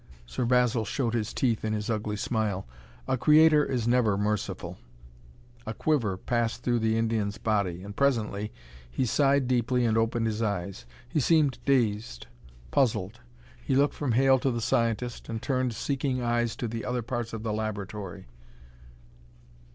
Sir Basil showed his teeth in his ugly smile. "A creator is never merciful." A quiver passed through the Indian's body and presently, he sighed deeply and opened his eyes. He seemed dazed, puzzled. He looked from Hale to the scientist, and turned seeking eyes to other parts of the laboratory.